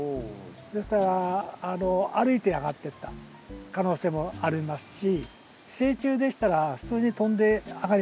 ですから歩いて上がってった可能性もありますし成虫でしたら普通に飛んで上がります。